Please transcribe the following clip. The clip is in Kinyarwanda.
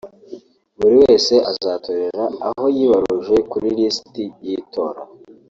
buri wese azatorera aho yibaruje kuri lisiti y’itora